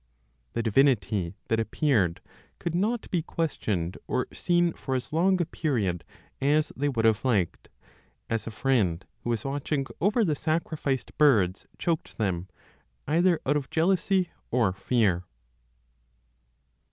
The divinity that appeared could not be questioned or seen for as long a period as they would have liked, as a friend who was watching over the sacrificed birds choked them, either out of jealousy, or fear.